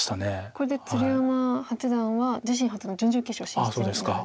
これで鶴山八段は自身初の準々決勝進出になるんです。